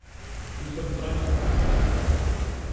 Nous sommes trahis!